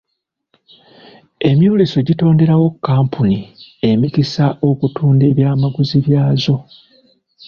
Emyoleso gitonderawo kkampuni emikisa okutunda ebyamaguzi byazo.